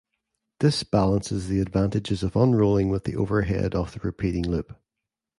This balances the advantages of unrolling with the overhead of repeating the loop.